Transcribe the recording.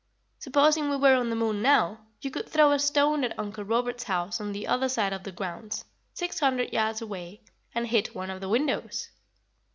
Supposing we were on the moon now, you could throw a stone at Uncle Robert's house on the other side of the grounds, six hundred yards away, and hit one of the windows."